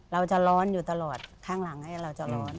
เราจะร้อนอยู่ตลอดข้างหลังเราจะร้อน